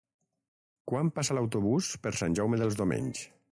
Quan passa l'autobús per Sant Jaume dels Domenys?